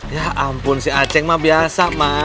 ya ampun si acek mah biasa mak